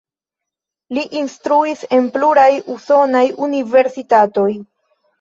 Li instruis en pluraj usonaj universitatoj.